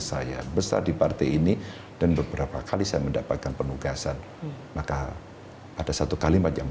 saya besar di partai ini dan beberapa kali saya mendapatkan penugasan maka ada satu kalimat jam